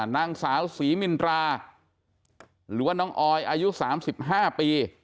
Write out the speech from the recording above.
นางสาวศรีมินราหรือว่าน้องออยอายุ๓๕ปี